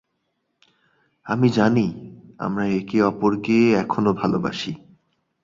আমি জানি আমরা একে অপরকে এখনো ভালোবাসি।